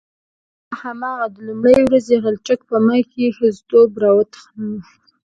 هو ستا هماغه د لومړۍ ورځې غلچک په ما کې ښځتوب راوتخناوه.